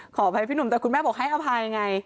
ขออภัยพี่หนุ่มแต่คุณแม่บอกให้อภัยไง